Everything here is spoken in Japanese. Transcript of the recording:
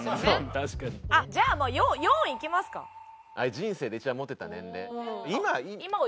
人生で一番モテた年齢？